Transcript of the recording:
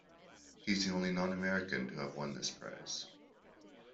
He's the only non-American to have won this prize.